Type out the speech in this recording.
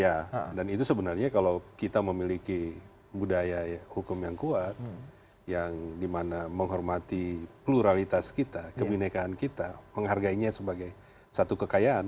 ya dan itu sebenarnya kalau kita memiliki budaya hukum yang kuat yang dimana menghormati pluralitas kita kebinekaan kita menghargainya sebagai satu kekayaan